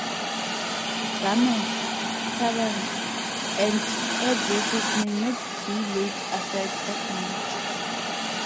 Garments, turbans, and headdresses may not be laid aside at night.